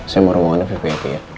saya mau ruangannya vvvt ya